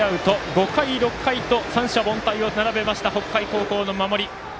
５回、６回と三者凡退を並べた北海高校の守り。